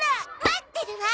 待ってるわ！